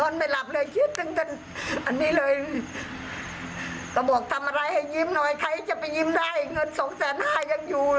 น้อยใครจะไปยิ้มได้เงิน๒๕๐๐๐๐บาทยังอยู่